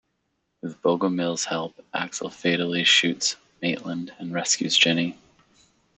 With Bogomil's help, Axel fatally shoots Maitland and rescues Jenny.